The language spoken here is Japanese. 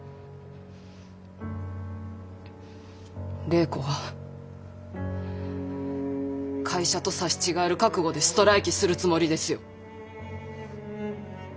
礼子は会社と刺し違える覚悟でストライキするつもりですよ。